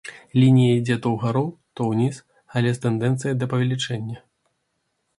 Лінія ідзе то ўгару, то ўніз, але з тэндэнцыяй да павелічэння.